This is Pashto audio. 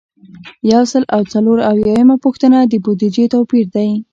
یو سل او څلور اویایمه پوښتنه د بودیجې توپیر دی.